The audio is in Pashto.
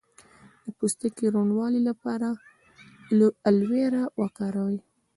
د پوستکي روڼوالي لپاره ایلوویرا وکاروئ